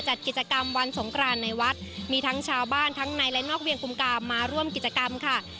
จัดกิจกรรมวันสงครานในวัดมีทั้งชาวบ้านทั้งในและนอกเวียงกุมกามมาร่วมกิจกรรมค่ะ